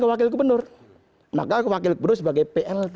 kalau kepakel gubernur maka kepakel gubernur sebagai plt